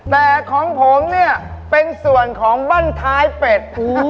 แต่ของผมเนี่ยเป็นส่วนของบ้านท้ายเป็ด